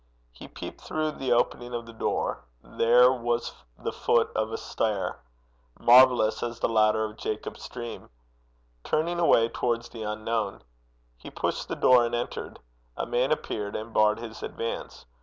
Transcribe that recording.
He peeped through the opening of the door: there was the foot of a stair marvellous as the ladder of Jacob's dream turning away towards the unknown. He pushed the door and entered. A man appeared and barred his advance.